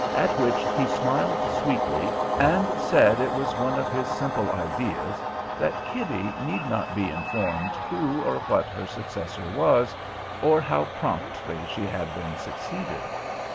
At which he smiled sweetly, and said it was one of his simple ideas that Kitty need not be informed who or what her successor was, or how promptly she had been succeeded.